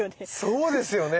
そうですよね。